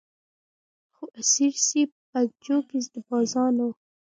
خو اسیر سي په پنجو کي د بازانو